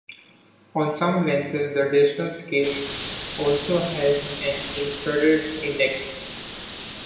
On some lenses the distance scale also has an infrared index.